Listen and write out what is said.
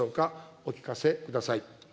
お聞かせください。